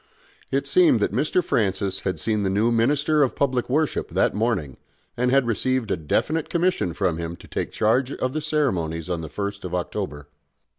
It seemed that Mr. Francis had seen the new Minister of Public Worship that morning, and had received a definite commission from him to take charge of the ceremonies on the first of October.